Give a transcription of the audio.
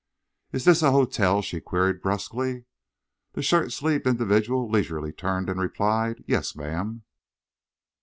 "Is this a hotel?" she queried, brusquely. The shirt sleeved individual leisurely turned and replied, "Yes, ma'am."